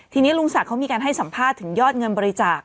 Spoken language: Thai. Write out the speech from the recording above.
ทีนี้ลุงศักดิ์เขามีการให้สัมภาษณ์ถึงยอดเงินบริจาค